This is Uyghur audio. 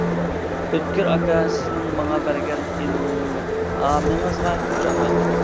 ئۆتكۈر ئاكا سىزنىڭ ماڭا بەرگەن ئىلھامىڭىزغا كۆپ رەھمەت.